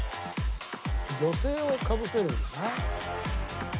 女性をかぶせるんだな。